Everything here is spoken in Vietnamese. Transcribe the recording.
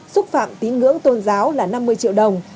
xúc phạm tín ngưỡng tôn giáo là năm mươi triệu đồng